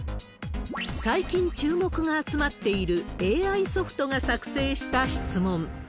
最近注目が集まっている、ＡＩソフトが作成した質問。